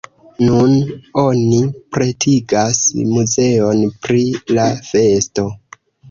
Nun oni pretigas muzeon pri la festo.